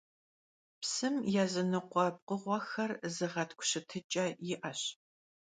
Psım yazınıkhue pkhığuexer zığetk'u şıtıç'e yi'eş.